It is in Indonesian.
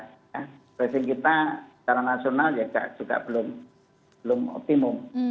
tracing tracing kita secara nasional juga belum optimum